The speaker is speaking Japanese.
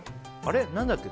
何だっけ？